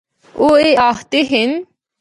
او اے آخدے ہن۔